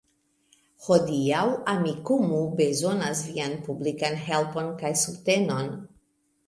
Hodiaŭ Amikumu bezonas vian publikan helpon kaj subtenon